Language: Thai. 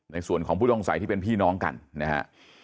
ในส่วนของผู้ต้องสัยที่เป็นพี่น้องกันนะฮะ